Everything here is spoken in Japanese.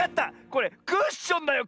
これクッションだよ